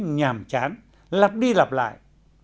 việc làm chán lặp đi lặp lại